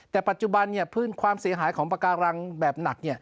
แต่ปัจจุบันพืชความเสียหายของปากการังแบบหนัก